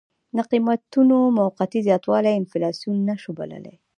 د قیمتونو موقتي زیاتوالی انفلاسیون نه شو بللی.